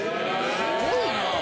すごいなぁ。